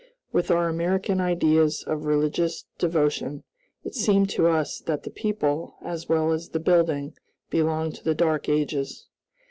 With our American ideas of religious devotion, it seemed to us that the people, as well as the building, belonged to the Dark Ages.